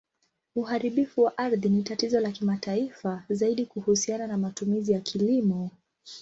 Uharibifu wa ardhi ni tatizo la kimataifa, zaidi kuhusiana na matumizi ya kilimo.